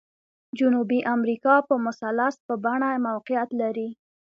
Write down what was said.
جنوبي امریکا په مثلث په بڼه موقعیت لري.